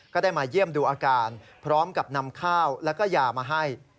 ก็ได้มาเยี่ยมดูอาการพร้อมกับนำข้าวแล้วก็ยามาให้